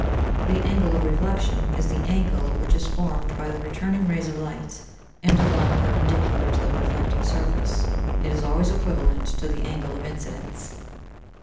_ The angle of reflection is the angle which is formed by the returning rays of light, and a line perpendicular to the reflecting surface. It is always equivalent to the angle of incidence.